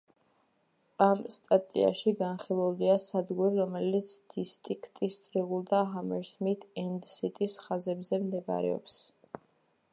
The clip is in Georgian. ამ სტატიაში განხილულია სადგური, რომელიც დისტრიქტის, წრიულ და ჰამერსმით-ენდ-სიტის ხაზებზე მდებარეობს.